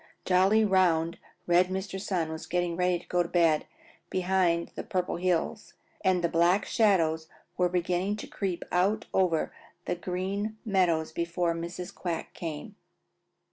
Jolly, round, red Mr. Sun was getting ready to go to bed behind the Purple Hills and the Black Shadows were beginning to creep out over the Green Meadows before Mrs. Quack came.